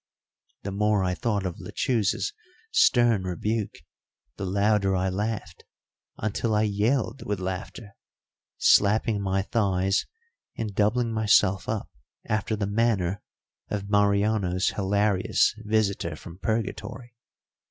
The more I thought of Lechuza's stern rebuke the louder I laughed, until I yelled with laughter, slapping my thighs and doubling myself up after the manner of Mariano's hilarious visitor from purgatory.